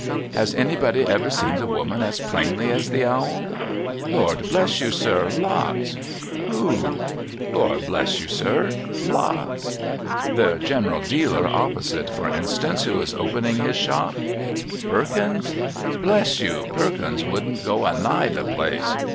' Has anybody ever seen the woman as plainly as the owl ?'' Lord bless you, sir ! Lots.' ' Who ?'' Lord bless you, sir ! Lots.' ' The general dealer opposite, for instance, who is opening his shop ?'' Perkins ? Bless you, Perkins wouldn't go a nigh the place.